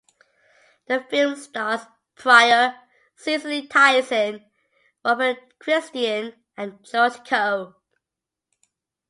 The film stars Pryor, Cicely Tyson, Robert Christian, and George Coe.